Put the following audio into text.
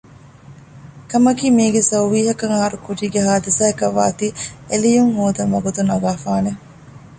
ކަމަކީ މީގެ ސައުވީހަކަށް އަހަރުކުރީގެ ހާދިސާއަކަށް ވާތީ އެލިޔުން ހޯދަން ވަގުތު ނަގާފާނެ